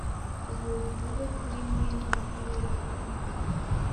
ubuntu bube muri mwe n amahoro biva ku Mana